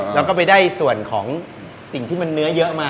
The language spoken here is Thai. แล้วก็ไปได้ส่วนของสิ่งที่มันเนื้อเยอะมา